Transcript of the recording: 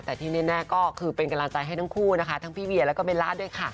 แต่ที่แน่ก็คือเป็นกำลังใจให้ทั้งคู่นะคะทั้งพี่เวียแล้วก็เบลล่าด้วยค่ะ